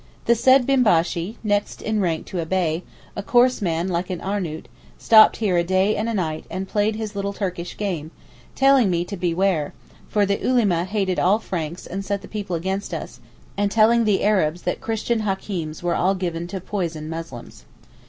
The said Bimbashee (next in rank to a Bey) a coarse man like an Arnoout, stopped here a day and night and played his little Turkish game, telling me to beware—for the Ulema hated all Franks and set the people against us—and telling the Arabs that Christian Hakeems were all given to poison Muslims.